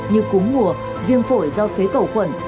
như cúm ngùa viêm phổi do phế cẩu khuẩn